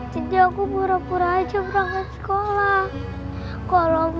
jadi aku pura pura aja berangkat sekolah kalau mama sama ayah tahu kalau aku gak sekolah pasti sedih